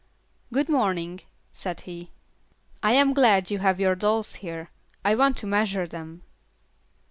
"Good morning," said he, "I am glad you have your dolls here; I want to measure them."